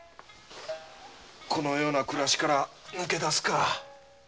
このような暮らしから抜け出すか。